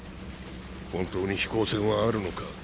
本当に飛行船はあるのか？